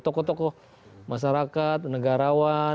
tokoh tokoh masyarakat negarawan